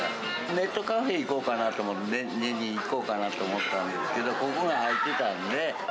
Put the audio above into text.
ネットカフェ行こうかなと、寝に行こうかなと思ったんですけど、ここが開いてたんで。